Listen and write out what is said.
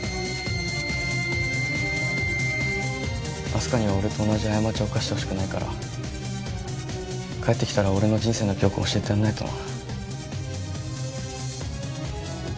明日香には俺と同じ過ちを犯してほしくないから帰ってきたら俺の人生の教訓教えてやんないとな。